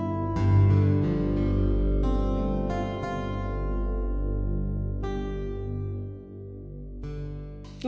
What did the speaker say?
น้ำมันเย็นเย็นแซมรีบริก